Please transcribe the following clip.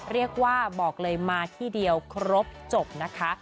เรียกว่าบอกเลยมาที่เดียวครบจบนะคะ